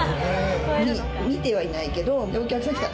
見てはいないけど。でお客さん来たら